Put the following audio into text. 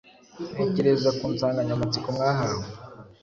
ntekerezo ku nsanganyamatsiko mwahawe.